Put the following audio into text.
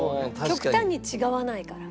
極端に違わないから。